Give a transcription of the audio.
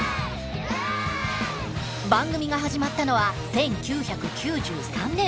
番組が始まったのは１９９３年。